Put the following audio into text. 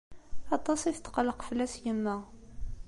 Aṭas i tetqelleq fell-as yemma-s.